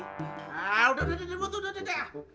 nah udah udah udah udah